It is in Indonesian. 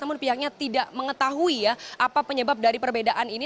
namun pihaknya tidak mengetahui ya apa penyebab dari perbedaan ini